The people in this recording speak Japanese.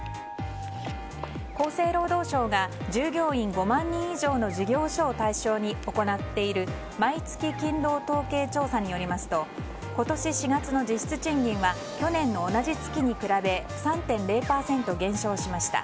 厚生労働省が従業員５万人以上の事業所を対象に行っている毎月勤労統計調査によりますと今年４月の実質賃金は去年の同じ月に比べ３．０％減少しました。